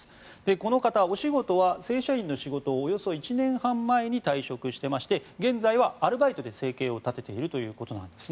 この方、お仕事は正社員の仕事をおよそ１年半前に退職して現在はアルバイトで生計を立てているということです。